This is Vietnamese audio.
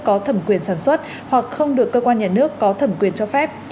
có thẩm quyền sản xuất hoặc không được cơ quan nhà nước có thẩm quyền cho phép